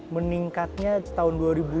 meningkatnya tahun dua ribu dua